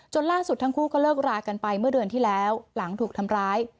ล่าสุดทั้งคู่ก็เลิกรากันไปเมื่อเดือนที่แล้วหลังถูกทำร้าย